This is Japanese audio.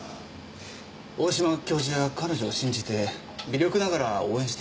大島教授や彼女を信じて微力ながら応援しています。